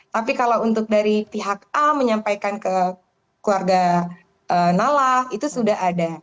tapi kalau untuk dari pihak a menyampaikan ke keluarga nala itu sudah ada